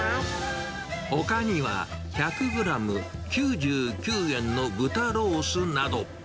ほかには、１００グラム９９円の豚ロースなど。